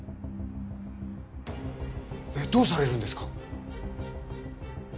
どうされるんですか？